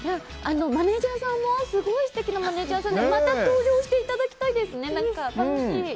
マネジャーさんもすごい素敵なマネジャーさんでまた登場していただきたいですね。